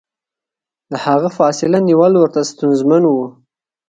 له هغه فاصله نیول ورته ستونزمن و.